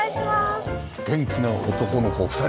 元気な男の子２人。